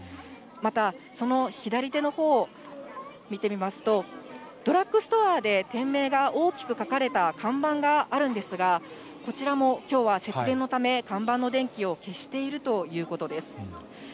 また、その左手のほう見てみますと、ドラッグストアで店名が大きく書かれた看板があるんですが、こちらもきょうは節電のため、看板の電気を消しているということです。